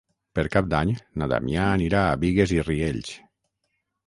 Per Cap d'Any na Damià anirà a Bigues i Riells.